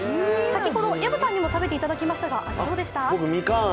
先ほど籔さんにも食べていただきましたが、どうでしたか。